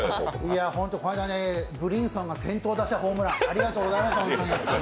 いや、ブリンソンが先頭ホームラン、ありがとうございます。